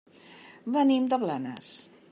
Venim de Blanes.